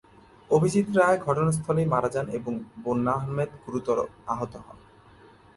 অভিজিৎ রায় ঘটনাস্থলেই মারা যান এবং বন্যা আহমেদ গুরুতর আহত হন।